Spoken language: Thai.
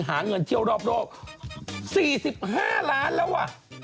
ถึงหาเงินเจียวรอบ๔๕ล้านบาทแล้วว่ะ